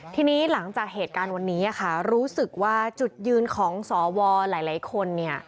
ทีนี้หลังจากเหตุการณ์วันนี้รู้สึกว่าจุดยืนของสวหลายคน